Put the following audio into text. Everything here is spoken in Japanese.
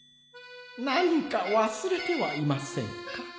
「なにかわすれてはいませんか？」。